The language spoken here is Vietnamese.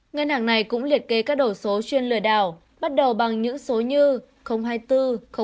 ngân hàng này cũng liệt kê các đổ số chuyên lừa đảo bắt đầu bằng những số như hai mươi bốn hai mươi tám năm mươi chín